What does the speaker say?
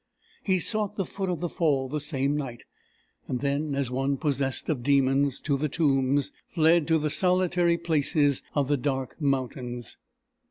He sought the foot of the fall the same night; then, as one possessed of demons to the tombs, fled to the solitary places of the dark mountains.